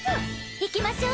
行きましょう！